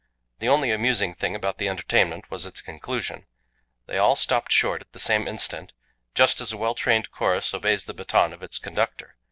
The only amusing thing about the entertainment was its conclusion. They all stopped short at the same instant, just as a well trained chorus obeys the baton of its conductor.